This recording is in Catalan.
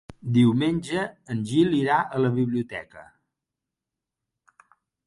Diumenge en Gil irà a la biblioteca.